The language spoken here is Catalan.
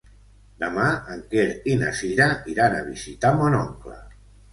Demà en Quer i na Cira iran a visitar mon oncle.